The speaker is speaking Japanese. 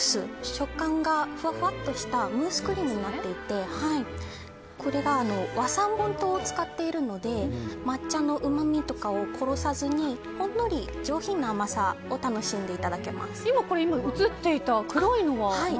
食感がふわふわっとしたムースクリームになっていてこれが和三盆糖を使っているので抹茶のうまみを殺さずにほんのり上品な甘さを映っていた黒いのは何ですか？